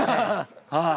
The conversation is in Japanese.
はい。